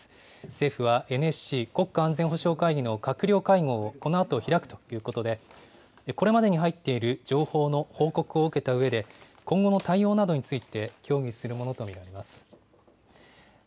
政府はＮＳＣ・国家安全保障会議の閣僚会合をこのあと開くということで、これまでに入っている情報の報告を受けたうえで、今後の対応などについて協議するものと見られます。